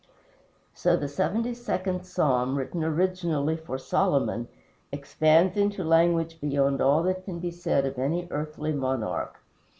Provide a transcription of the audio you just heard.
So the seventy second Psalm, written originally for Solomon, expands into language beyond all that can be said of any earthly monarch.